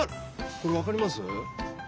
これわかります？